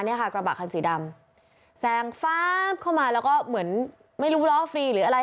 เนี่ยค่ะกระบะคันสีดำแซงฟ้าบเข้ามาแล้วก็เหมือนไม่รู้ล้อฟรีหรืออะไร